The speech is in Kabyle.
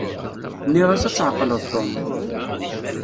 Nniɣ-as ad tɛeqleḍ Tom.